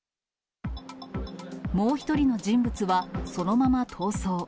もう１人の人物は、そのまま逃走。